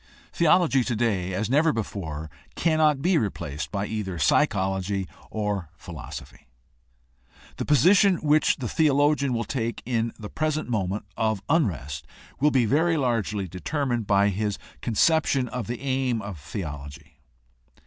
Theology today as never before cannot be replaced by either psychology or philosophy. The position which the theologian will take in the present moment of unrest will be very largely determined by his conception of the aim of the ology.